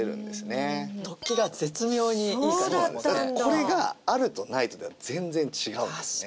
これがあるとないとでは全然違うんですね。